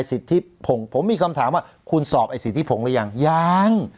สิทธิพงศ์ผมมีคำถามว่าคุณสอบไอ้สิทธิพงศ์หรือยังยัง